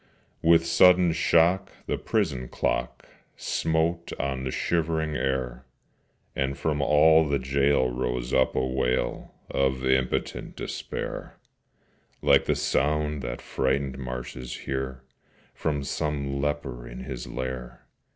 With sudden shock the prison clock Smote on the shivering air, And from all the gaol rose up a wail Of impotent despair, Like the sound that frightened marshes hear From some leper in his lair.